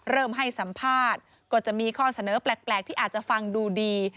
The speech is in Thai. เริ่มให้สัมภาษณ์ก็จะมีข้อเสนอแปลกที่อาจจะฟังดูดี